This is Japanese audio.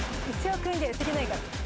１億円じゃやってけないから。